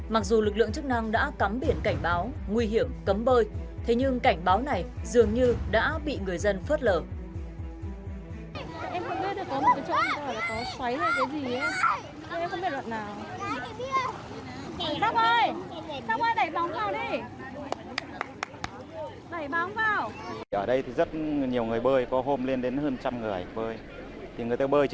mặc dù lực lượng chức năng đã cắm biển cảnh báo nguy hiểm cấm bơi thế nhưng cảnh báo này dường như đã bị người dân phớt lở